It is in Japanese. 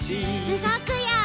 うごくよ！